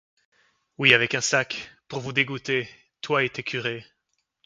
Oui, avec un sac, pour vous dégoûter, toi et tes curés.